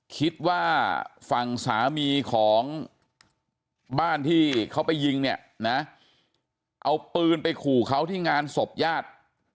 คิดว่าฝั่งสามีของบ้านที่เขาไปยิงเนี่ยนะเอาปืนไปขู่เขาที่งานศพญาติ